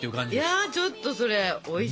いやちょっとそれおいしそう。